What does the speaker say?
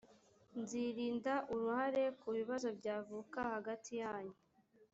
nzirinda uruhare ku bibazo byavuka hagati yanyu.